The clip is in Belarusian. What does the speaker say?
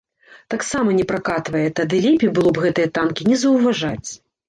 Таксама не пракатвае, тады лепей было б гэтыя танкі не заўважаць.